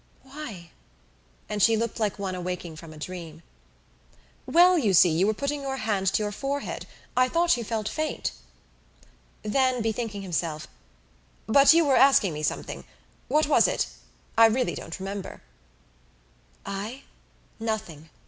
"Why?" And she looked like one awaking from a dream. "Well, you see, you were putting your hand to your forehead. I thought you felt faint." Then, bethinking himself, "But you were asking me something? What was it? I really don't remember." "I? Nothing!